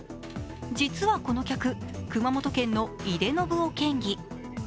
実はこの客、熊本県の井手順雄県議。